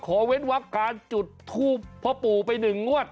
ขอเว้นวักการจุดทูปพ่อปู่ไปหนึ่งงวด